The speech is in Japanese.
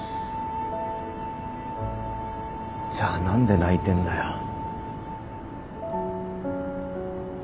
じゃあ何で泣いてんだよ。